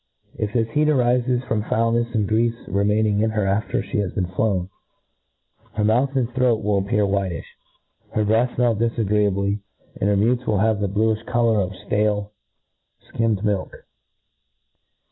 If this heat arifes from fpulpefs ajid grcafe re maining in her after fhe has been flown, her mouth and throat will appeal: whitifh, her breath finell difegrccably, and her mutes will have the bluifh colour of ftale ikimmed milk.